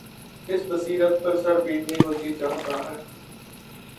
اس بصیرت پر سر پیٹنے کو جی چاہتا ہے۔